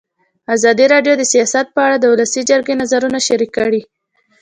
ازادي راډیو د سیاست په اړه د ولسي جرګې نظرونه شریک کړي.